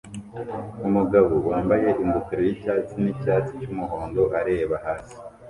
Umugabo wambaye ingofero yicyatsi nicyatsi cyumuhondo areba hasi